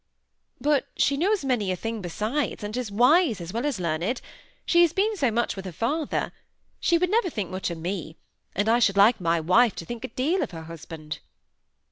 "But she knows many a thing besides, and is wise as well as learned; she has been so much with her father. She would never think much of me, and I should like my wife to think a deal of her husband."